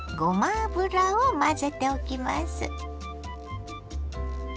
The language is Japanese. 油を混ぜておきます。